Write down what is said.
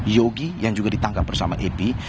yogi yang juga ditangkap bersama ebi